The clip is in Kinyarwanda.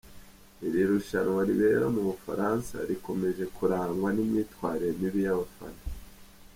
Iri rushanwa ribera mu Bufaransa rikomeje kurangwa n'imyitwarire mibi y'abafana.